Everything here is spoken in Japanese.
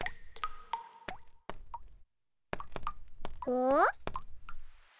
お？